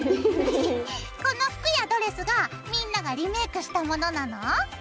この服やドレスがみんながリメイクしたものなの？